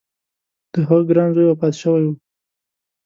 د هغه ګران زوی وفات شوی و.